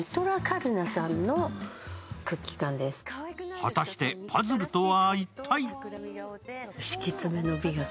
果たしてパズルとは一体？